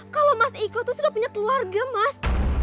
kalau mas iko itu sudah punya keluarga mas